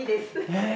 えっ！